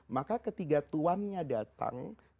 maka ketika tuannya datang